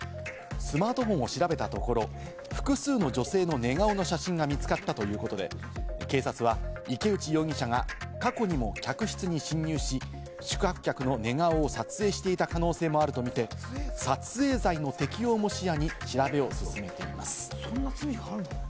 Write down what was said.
スマートフォンを調べたところ、複数の女性の寝顔の写真が見つかったということで、警察は池内容疑者が過去にも客室に侵入し、宿泊客の寝顔を撮影していた可能性もあるとみて、撮影罪の適用も視野に調べを進めています。